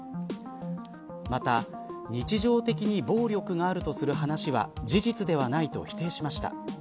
また日常的に暴力があるとする話は事実ではないと否定しました。